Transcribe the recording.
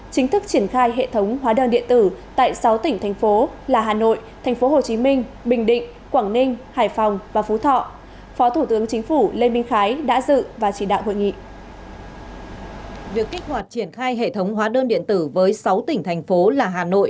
chính thức triển khai hệ thống hóa đơn điện tử tại sáu tỉnh thành phố là hà nội